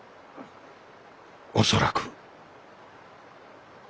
恐らく。